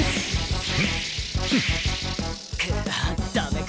くっダメか。